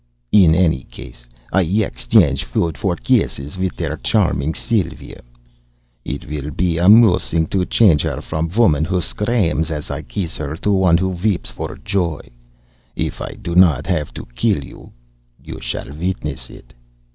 In any case I exchange food for kisses with der charming Sylva. It will be amusing to change her from a woman who screams as I kiss her, to one who weeps for joy. If I do not haff to kill you, you shall witness it!"